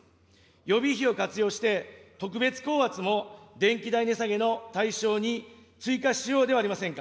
予備費を活用して、特別高圧も電気代値下げの対象に追加しようではありませんか。